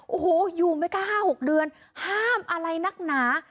โอ้โหอยู่ไม่กล้า๕๖เดือนห้ามอะไรนักหนา